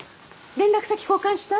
連絡先交換した？